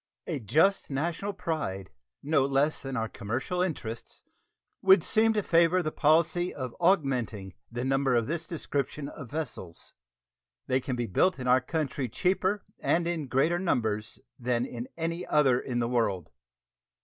A just national pride, no less than our commercial interests, would Seem to favor the policy of augmenting the number of this description of vessels. They can be built in our country cheaper and in greater numbers than in any other in the world.